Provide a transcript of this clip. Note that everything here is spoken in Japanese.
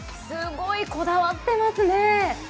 すごいこだわってますね。